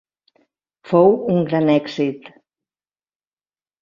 Fou un gran èxit.